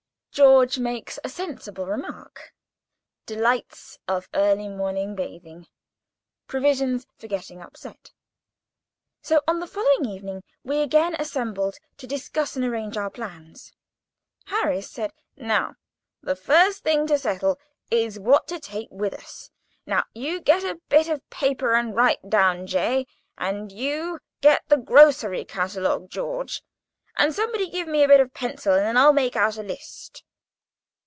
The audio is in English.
—George makes a sensible, remark.—Delights of early morning bathing.—Provisions for getting upset. So, on the following evening, we again assembled, to discuss and arrange our plans. Harris said: "Now, the first thing to settle is what to take with us. Now, you get a bit of paper and write down, J., and you get the grocery catalogue, George, and somebody give me a bit of pencil, and then I'll make out a list."